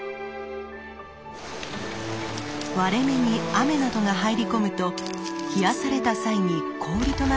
割れ目に雨などが入り込むと冷やされた際に氷となって膨張。